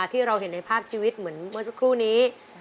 ที่เราเห็นในภาพชีวิตเหมือนเมื่อสักครู่นี้